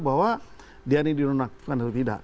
bahwa dia ini dinonakkan atau tidak